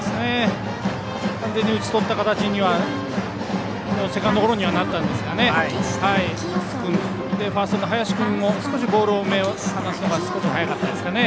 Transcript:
完全に打ち取った形のセカンドゴロにはなったんですがファーストの林君もボールから目を離すのが少し早かったですかね。